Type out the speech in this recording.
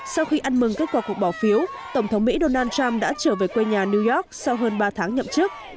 sau khi ăn mừng kết quả cuộc bỏ phiếu tổng thống mỹ donald trump đã trở về quê nhà new york sau hơn ba tháng nhậm chức